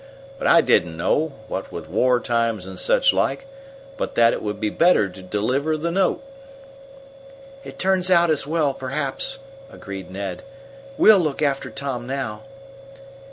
But I didn't know what with war times and such like but that it would be better to deliver the note." "It turns out as well, perhaps," agreed Ned. "We'll look after Tom now."